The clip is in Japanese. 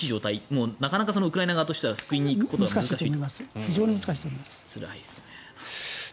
もうなかなかウクライナ側としては救いに行くことが難しいと。